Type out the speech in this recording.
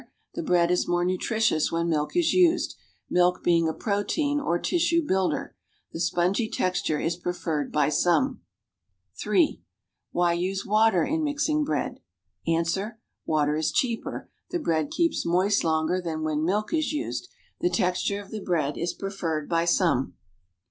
The bread is more nutritious when milk is used, milk being a protein or tissue builder. The spongy texture is preferred by some. (.'3) Why use water in mixing bread? Ans. Water is cheaper; the bread keeps moist longer than when milk is used; the texture of the bread is preferred by some.